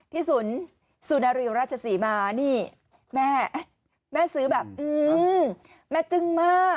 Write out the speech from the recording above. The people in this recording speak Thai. ศูนย์สุนารีวราชศรีมานี่แม่แม่ซื้อแบบแม่จึ้งมาก